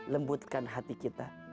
lembutkan hati kita